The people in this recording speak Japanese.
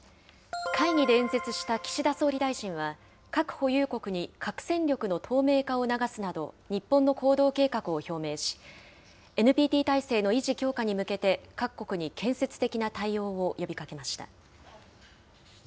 会議で演説した岸田総理大臣は、核保有国に核戦力の透明化を促すなど、日本の行動計画を表明し、ＮＰＴ体制の維持・強化に向けて、各国に建設的な対応を呼びかけました。